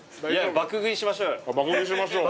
爆食いしましょう。